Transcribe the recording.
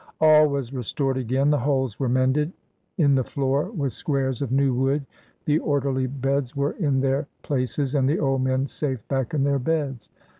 All was restored again, the holes were mended in the floor with squares of new wood, the orderiy beds were in their places, and the old men safe back in their beds.